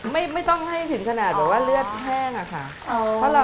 ไม่ต้องให้ถึงขนาดแบบว่าเลือดแห้งอะค่ะ